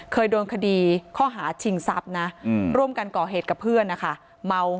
เคยโดนคดีข้อหาชิงทรัพย์นะร่วมกันก่อเหตุกับเพื่อนนะคะเมา